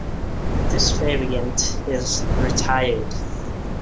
This variant is retired.